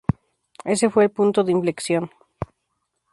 Ese fue el punto de inflexión.